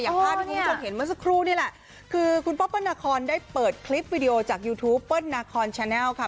ภาพที่คุณผู้ชมเห็นเมื่อสักครู่นี่แหละคือคุณป๊อปเปิ้ลนาคอนได้เปิดคลิปวิดีโอจากยูทูปเปิ้ลนาคอนแชนแลล์ค่ะ